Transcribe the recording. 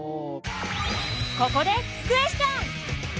ここでクエスチョン！